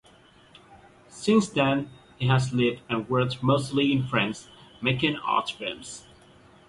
Since then he has lived and worked mostly in France, making art films.